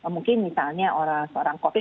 mungkin misalnya orang orang covid